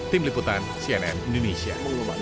tim liputan cnn indonesia